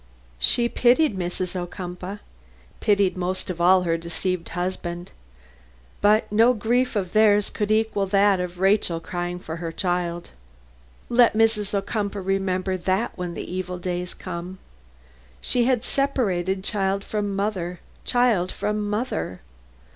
She pitied Mrs. Ocumpaugh, pitied most of all her deceived husband, but no grief of theirs could equal that of Rachel crying for her child. Let Mrs. Ocumpaugh remember that when the evil days come. She had separated child from mother! child from mother!